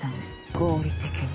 合理的に。